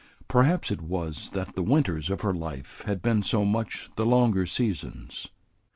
Perhaps it was that the winters of her life had been so much the longer seasons.